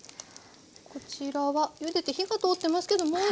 こちらはゆでて火が通ってますけどもう一度。